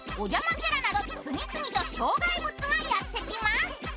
キャラなど次々と障害物がやってきます。